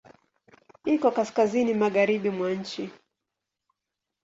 Iko kaskazini magharibi mwa nchi.